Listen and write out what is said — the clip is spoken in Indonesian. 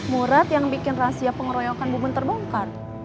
murad yang bikin rahasia pengoroyakan bubun terbongkar